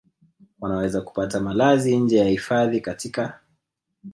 wanaweza kupata malazi nje ya hifadhi katika